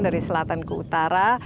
dari selatan ke utara